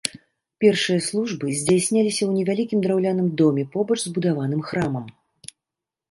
Першыя службы здзяйсняліся ў невялікім драўлянай доме побач з будаваным храмам.